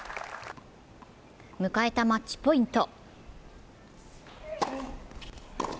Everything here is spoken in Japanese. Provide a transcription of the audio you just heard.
迎えたマッチポイント。